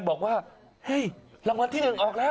บอกว่าเฮ้ยรางวัลที่๑ออกแล้ว